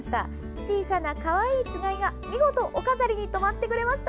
小さなかわいいつがいが見事、お飾りに止まってくれました。